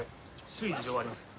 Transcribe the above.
周囲に異常はありません。